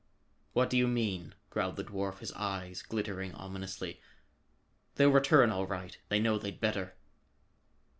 "What do you mean?" growled the dwarf, his eyes glittering ominously. "They'll return all right; they know they'd better."